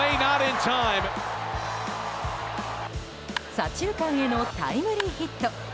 左中間へのタイムリーヒット。